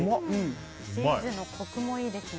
チーズのコクもいいですね。